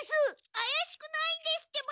あやしくないんですってば。